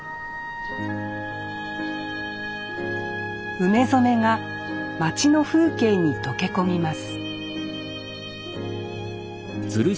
梅染めが町の風景に溶け込みます